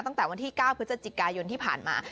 ตั้งแต่วันที่๙พฤศจิกายนที่ผ่านมา